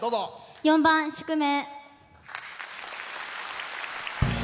４番「宿命」。